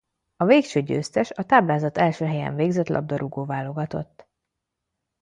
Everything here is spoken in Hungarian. A végső győztes a táblázat első helyen végzett labdarúgó-válogatott.